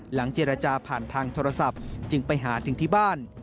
เจรจาผ่านทางโทรศัพท์จึงไปหาถึงที่บ้าน